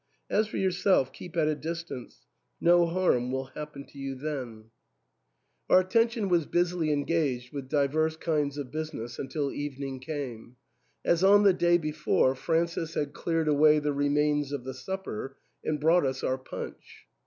As for yourself, keep at a distance ; no harm will happen to you then," THE ENTAIL, 233 ■ Our attention was busily engaged with divers kinds of business until evening came. As on the day before, Francis had cleared away the remains of the supper, and brought us our punch.